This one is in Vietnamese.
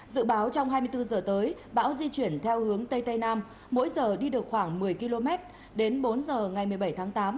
dự báo trong hai mươi bốn giờ tới bão di chuyển theo hướng tây tây nam mỗi giờ đi được khoảng một mươi km đến bốn giờ ngày một mươi bảy tháng tám